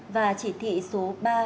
và chỉ thị số ba năm ba bốn